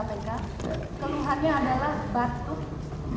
keluhannya adalah batuk